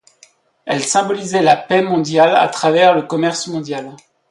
Elle symbolisait la paix mondiale à travers le commerce mondial.